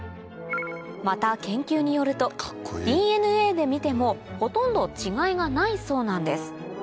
また研究によるとＤＮＡで見てもほとんど違いがないそうなんです